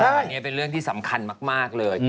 อันนี้เป็นเรื่องที่สำคัญมากเลย